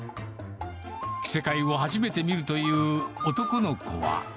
着せ替えを初めて見るという男の子は。